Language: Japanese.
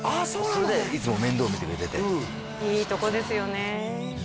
それでいつも面倒見てくれてていいとこですよね